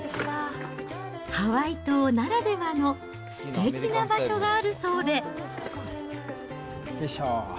ハワイ島ならではのすてきな場所があるそうで。